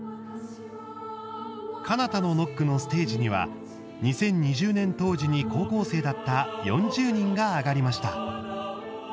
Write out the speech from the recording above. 「彼方のノック」のステージには２０２０年当時に高校生だった４０人が上がりました。